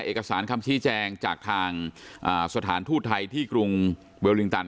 เอกสารคำชี้แจงจากทางสถานทูตไทยที่กรุงเวลลิงตัน